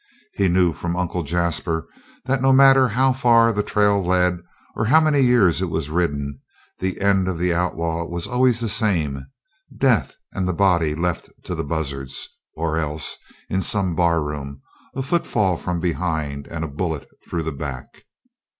He knew from Uncle Jasper that no matter how far the trail led, or how many years it was ridden, the end of the outlaw was always the same death and the body left to the buzzards. Or else, in some barroom, a footfall from behind and a bullet through the back.